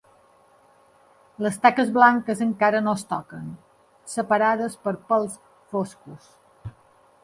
Les taques blanques encara no es toquen, separades per pèls foscos.